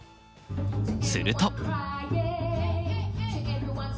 すると！